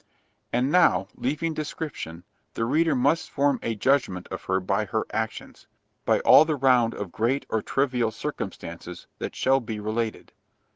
And now—leaving description—the reader must form a judgment of her by her actions; by all the round of great or trivial circumstances that shall be related.